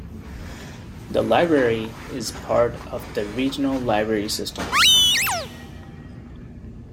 The library is a part of the regional library systems.